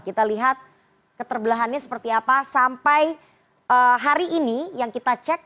kita lihat keterbelahannya seperti apa sampai hari ini yang kita cek